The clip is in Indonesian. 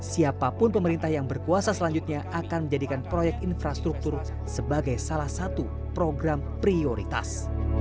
siapapun pemerintah yang berkuasa selanjutnya akan menjadikan proyek infrastruktur sebagai salah satu program prioritas